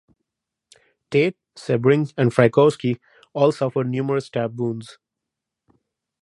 Tate, Sebring and Frykowski all suffered numerous stab wounds.